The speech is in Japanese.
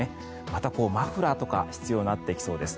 また、マフラーとか必要になってきそうです。